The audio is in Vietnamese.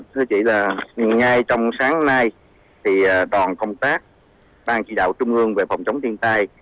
thưa chị ngay trong sáng nay thì đoàn công tác bang chỉ đạo trung ương về phòng chống thiên tai